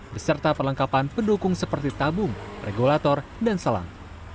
beserta perlengkapan pendukung seperti tabung regulator dan selang